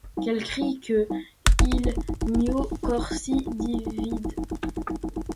Quel cri que : Il mio cor si divide.